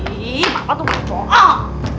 ih bapak tuh kecoh